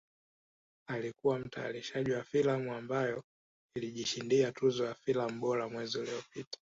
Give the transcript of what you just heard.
Alikuwa mtayarishaji wa filamu ambayo ilijishindia tuzo ya filamu bora mwezi uliopita